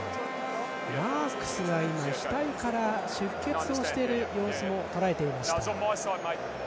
マークスが額から出血をしている様子もとらえていました。